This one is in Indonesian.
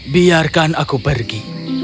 biarkan aku pergi